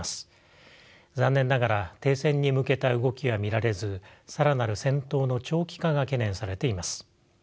残念ながら停戦に向けた動きは見られず更なる戦闘の長期化が懸念されています。